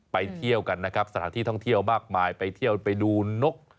เที่ยวกันนะครับสถานที่ท่องเที่ยวมากมายไปเที่ยวไปดูนก